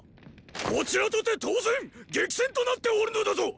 こちらとて当然激戦となっておるのだぞ！